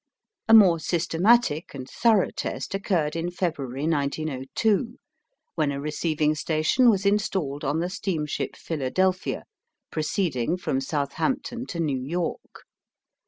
A more systematic and thorough test occurred in February, 1902, when a receiving station was installed on the steamship Philadelphia, proceeding from Southampton to New York.